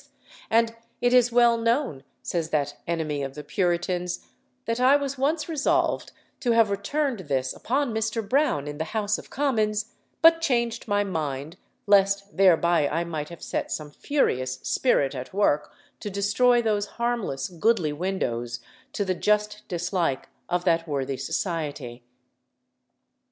and it is well known," says that enemy of the Puritans, "that I was once resolved to have returned this upon Mr. Brown in the House of Commons, but changed my mind, lest thereby I might have set some furious spirit at work to destroy those harmless goodly windows, to the just dislike of that worthy society."